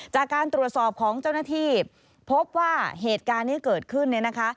จากการตรวจสอบของเจ้าหน้าที่พบว่าเหตุการณ์ที่เกิดขึ้นเนี่ยนะคะ